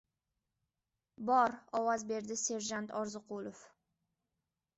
"Bor! — ovoz berdi serjant Orziqulov.